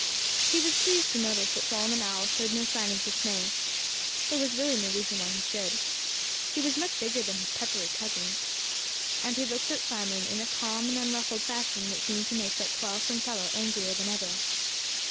He was pleased to notice that Solomon Owl showed no sign of dismay. There was really no reason why he should. He was much bigger than his peppery cousin. And he looked at Simon in a calm and unruffled fashion that seemed to make that quarrelsome fellow angrier than ever.